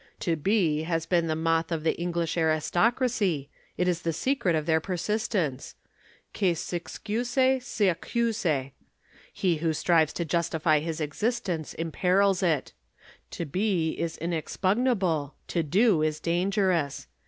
To be has been the moth of the English aristocracy, it is the secret of their persistence. Qui s'excuse s'accuse. He who strives to justify his existence imperils it. To be is inexpugnable, to do is dangerous.